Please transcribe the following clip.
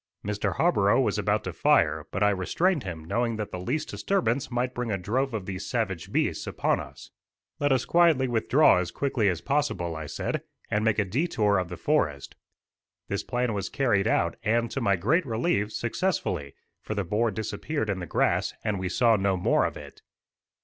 Mr. Harborough was about to fire, but I restrained him, knowing that the least disturbance might bring a drove of these savage beasts upon us. "Let us quietly withdraw as quickly as possible," I said, "and make a detour of the forest." This plan was carried out, and, to my great relief, successfully, for the boar disappeared in the grass, and we saw no more of it.